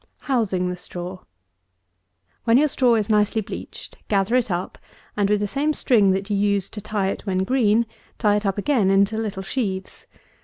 231. HOUSING THE STRAW. When your straw is nicely bleached, gather it up, and with the same string that you used to tie it when green, tie it up again into little sheaves.